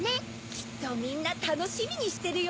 きっとみんなたのしみにしてるよ。